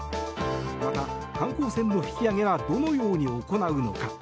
また、観光船の引き揚げはどのように行うのか。